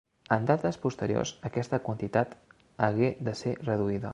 En dates posteriors aquesta quantitat hagué de ser reduïda.